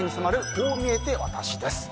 こう見えてワタシです。